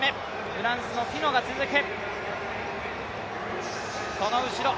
フランスのフィノが続く。